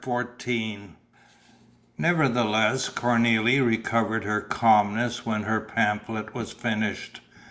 CHAPTER XIV Nevertheless Cornélie recovered her calmness when her pamphlet was finished.